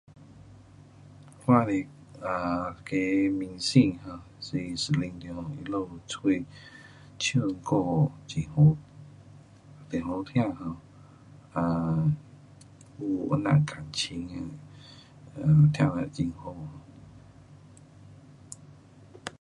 我喜欢 um 的明星哈是 Celene Dion 她们嘴唱歌很好，很好听 um 有那样感情啊。um 听了很好。